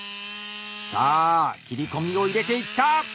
さあ切り込みを入れていった！